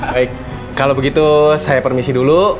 baik kalau begitu saya permisi dulu